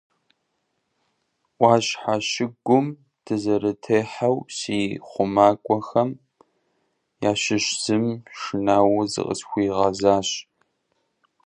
Ӏуащхьэ щыгум дызэрытехьэу, си хъумакӀуэхэм ящыщ зым шынауэ зыкъысхуигъэзащ.